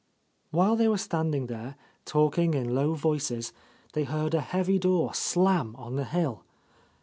While they were standing there, talking in low voices, they heard a heavy door slam on the hill.